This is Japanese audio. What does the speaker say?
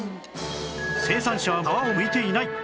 生産者は皮をむいていない！